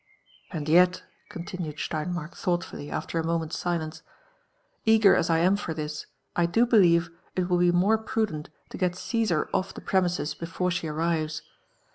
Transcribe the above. And yet," continued Steinmark thoughtfully after a moment's silence, *' eager as I am for this, I do believe it will be more prudent to get Csesar off the premises before she arrives.